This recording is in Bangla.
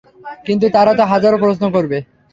কিন্তু তারা তো হাজারো প্রশ্ন করবে।